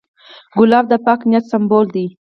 ګلاب د پاک نیت سمبول دی.